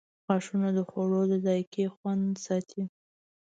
• غاښونه د خوړو د ذایقې خوند ساتي.